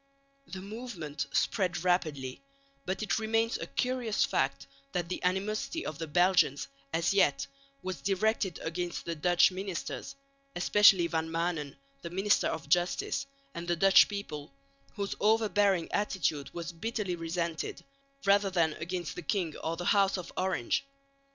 _ The movement spread rapidly, but it remains a curious fact that the animosity of the Belgians, as yet, was directed against the Dutch ministers (especially Van Maanen the Minister of Justice) and the Dutch people, whose overbearing attitude was bitterly resented, rather than against the king or the House of Orange.